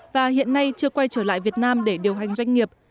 và hiện nay chưa quay trở lại việt nam để điều hành doanh nghiệp